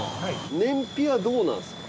燃費はどうなんですか？